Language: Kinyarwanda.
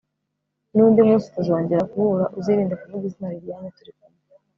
nundi munsi tuzongera guhura uzirinde kuvuga izina liliane turi kumwe